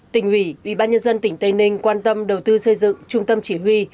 tỉnh ủy ủy ban nhân dân tỉnh tây ninh quan tâm đầu tư xây dựng trung tâm chỉ huy